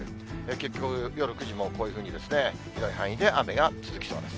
結局夜９時もこういうふうに、広い範囲で雨が続きそうです。